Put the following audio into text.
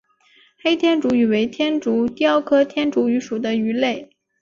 黑天竺鱼为天竺鲷科天竺鱼属的鱼类。